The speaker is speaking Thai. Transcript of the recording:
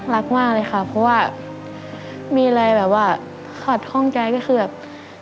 รักมากเลยค่ะเพราะว่ามีอะไรแบบว่าขัดข้องใจก็คือแบบ